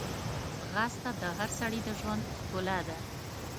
ځغاسته د هر سړي د ژوند ښکلا ده